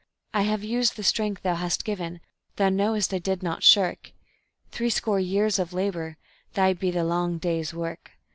I have used the strength Thou hast given, Thou knowest I did not shirk; Threescore years of labor Thine be the long day's work.